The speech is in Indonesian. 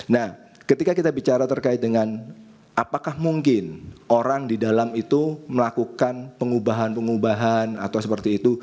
nah ketika kita bicara terkait dengan apakah mungkin orang di dalam itu melakukan pengubahan pengubahan atau seperti itu